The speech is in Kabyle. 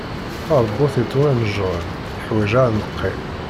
Taṛbut ittwanejṛen teḥwaǧ aneqqi.